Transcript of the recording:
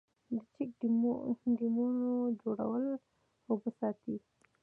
د چک ډیمونو جوړول اوبه ساتي